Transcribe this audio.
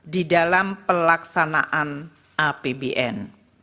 di dalam pelaksanaan apbn